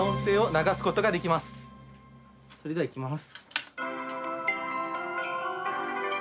それでは、いきます。